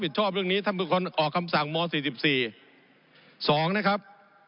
ผมอภิปรายเรื่องการขยายสมภาษณ์รถไฟฟ้าสายสีเขียวนะครับ